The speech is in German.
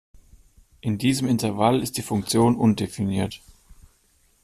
In diesem Intervall ist die Funktion undefiniert.